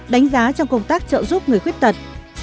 đánh giá trong công tác trợ giúp người khuyết tật